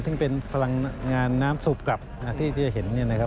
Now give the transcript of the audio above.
ซึ่งเป็นพลังงานน้ำสูบกลับที่จะเห็น